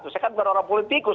saya kan benar benar politikus